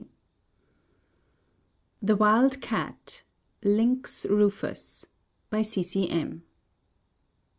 ] THE WILD CAT. (Lynx rufus.) C. C. M.